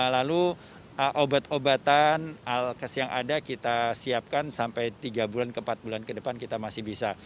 lalu obat obatan alkes yang ada kita siapkan sampai tiga bulan ke empat bulan ke depan kita masih bisa